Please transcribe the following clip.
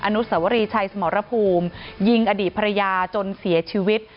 อนุสวรีชัยสมรภูมิยิงอดีตภรรยาจนเสียชีวิต